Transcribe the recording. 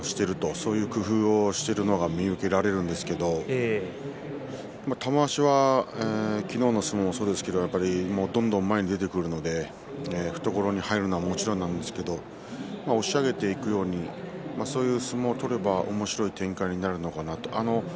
そういう工夫をしているのが見受けられるんですけれど玉鷲は昨日の相撲もそうですけれどどんどん前に出てくるので懐に入るのはもちろんなんですけど押し上げていくようにそういう相撲を取ればおもしろい展開になるのかなと。